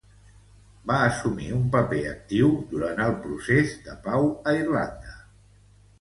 Va assumir un paper actiu durant el procés de pau a Irlanda.